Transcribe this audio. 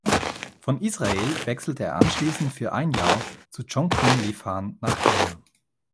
Von Israel wechselte er anschließend für ein Jahr zu Chongqing Lifan nach China.